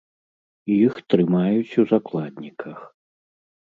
Іх трымаюць у закладніках.